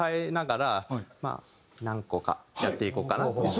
何個かやっていこうかなと。